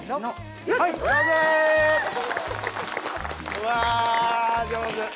うわ上手！